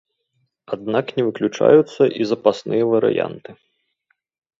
Аднак не выключаюцца і запасныя варыянты.